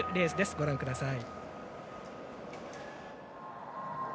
ご覧ください。